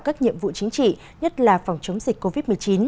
các nhiệm vụ chính trị nhất là phòng chống dịch covid một mươi chín